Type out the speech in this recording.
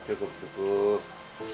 terima kasih pak umar